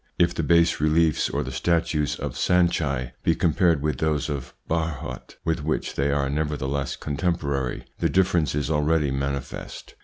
If the bas reliefs or the statues of Sanchi be compared with those of Bharhut, with which they are nevertheless contemporary, the difference is already manifest.